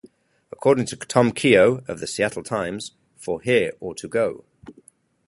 According to Tom Keogh of "The Seattle Times" ""For Here or to Go?